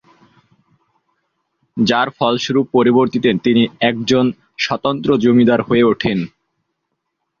যার ফলস্বরূপ পরবর্তীতে তিনি একজন স্বতন্ত্র জমিদার হয়ে উঠেন।